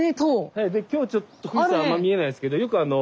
はいで今日ちょっと富士山あんま見えないですけどよくあの。